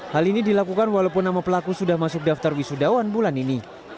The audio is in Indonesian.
hal ini dilakukan walaupun nama pelaku sudah masuk daftar wisudawan bulan ini